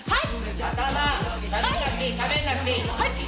はい。